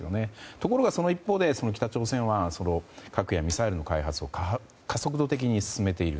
ところが、その一方で北朝鮮は核やミサイルの開発を加速度的に進めている。